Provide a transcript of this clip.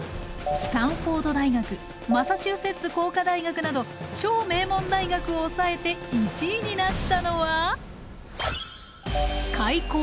スタンフォード大学マサチューセッツ工科大学など超名門大学を抑えて１位になったのは開校